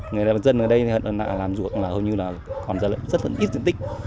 người dân ở đây làm ruột hầu như là còn rất là ít diện tích